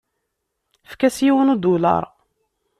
Efk-as yiwen udulaṛ.